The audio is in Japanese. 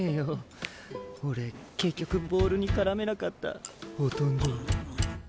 俺結局ボールに絡めなかったほとんど。